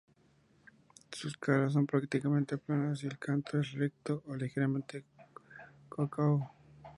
Sus caras son prácticamente planas y el canto es recto o ligeramente cóncavo.